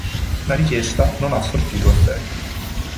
La richiesta non ha sortito effetti.